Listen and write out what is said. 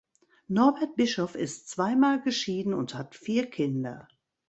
Norbert Bischoff ist zweimal geschieden und hat vier Kinder.